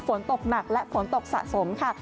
ฝนตกหนักและฝนตกสะสมค่ะ